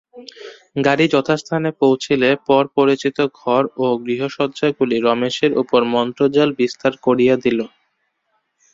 গাড়ি যথাস্থানে পৌঁছিলে পর পরিচিত ঘর ও গৃহসজ্জাগুলি রমেশের উপর মন্ত্রজাল বিস্তার করিয়া দিল।